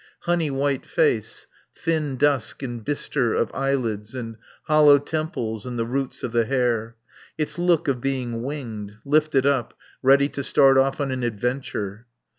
Honey white face, thin dusk and bistre of eyelids and hollow temples and the roots of the hair. Its look of being winged, lifted up, ready to start off on an adventure.